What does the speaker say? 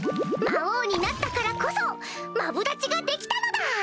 魔王になったからこそマブダチができたのだ！